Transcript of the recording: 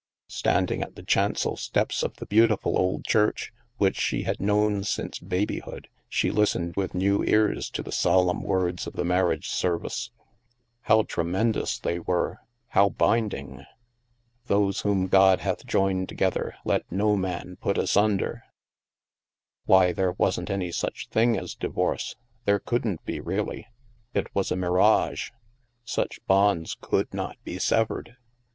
Standing at the chancel steps of the beautiful old church, which she had known since babyhood, she listened with new ears to the solemn words of the marriage service. How tremendous they were ! How binding !" Those whom God hath joined together, let no man put asunder !" Why, there wasn't any such thing as divorce; there couldn't be, really. It was a mirage! Such bonds could not be severed